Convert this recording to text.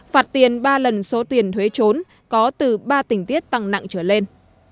phạt tiền ba lần số tiền thuế trốn có từ ba tỉnh tiết tăng nặng trở lên